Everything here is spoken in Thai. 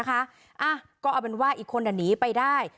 ก็เอาเป็นว่าอีกคนหนีไปได้